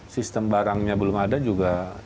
sistem barangnya belum ada juga